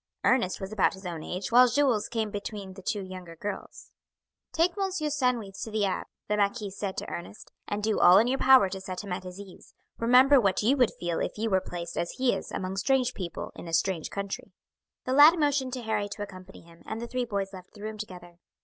Ernest was about his own age, while Jules came between the two younger girls. "Take M. Sandwith to the abbe," the marquis said to Ernest, "and do all in your power to set him at his ease. Remember what you would feel if you were placed, as he is, among strange people in a strange country." The lad motioned to Harry to accompany him, and the three boys left the room together.